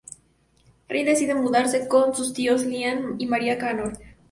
Ryan decide mudarse con sus tíos, Liam y Maria Connor.